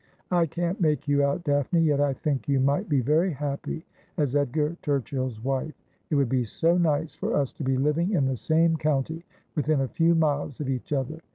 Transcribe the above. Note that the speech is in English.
' I can't make you out. Daphne. Yet I think you might be very happy as Edgar Turchill's wife. It would be so nice for us to be living in the same county, within a few miles of each other.'